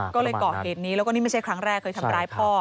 ก็เลยเกาะเหตุนี้แล้วก็นี่ไม่ใช่ครั้งแรกเคยทำร้ายพ่อ